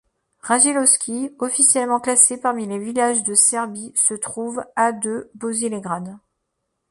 Rajčilovci, officiellement classé parmi les villages de Serbie, se trouve à de Bosilegrad.